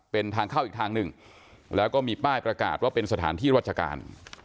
เป็นทางเข้าอีกทางหนึ่งแล้วก็มีป้ายประกาศว่าเป็นสถานที่ราชการ